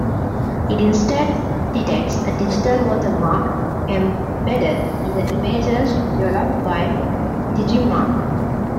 It instead detects a digital watermark embedded in the images, developed by Digimarc.